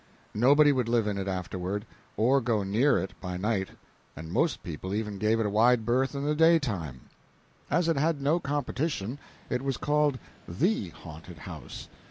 Nobody would live in it afterward, or go near it by night, and most people even gave it a wide berth in the daytime. As it had no competition, it was called the haunted house.